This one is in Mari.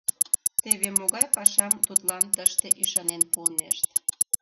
Теве могай пашам тудлан тыште ӱшанен пуынешт!